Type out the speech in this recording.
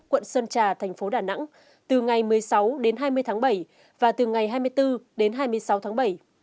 quận sơn trà thành phố đà nẵng từ ngày một mươi sáu đến hai mươi tháng bảy và từ ngày hai mươi bốn đến hai mươi sáu tháng bảy